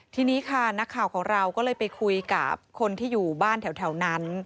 ทีนี้ค่ะนักข่าวของเราก็เลยไปคุยกับคนที่อยู่บ้านแถวนั้น